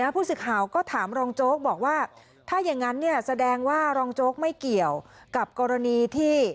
ผู้สื่อข่าวก็ถามรองโจ๊กบอกว่าถ้าอย่างนั้นแสดงว่ารองโจ๊กไม่เกี่ยวกับกรณีที่